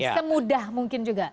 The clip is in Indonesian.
semudah mungkin juga